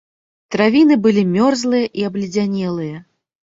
Травіны былі мёрзлыя і абледзянелыя.